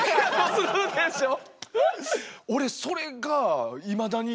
そうでしょう。